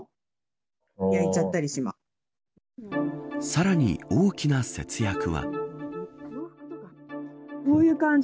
さらに大きな節約は。